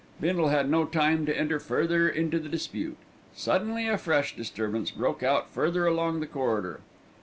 Bindle had no time to enter further into the dispute. Suddenly a fresh disturbance broke out further along the corridor.